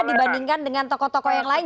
dibandingkan dengan tokoh tokoh yang lain